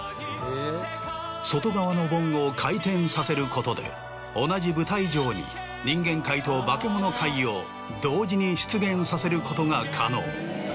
外側の盆を回転させることで同じ舞台上に人間界とバケモノ界を同時に出現させることが可能。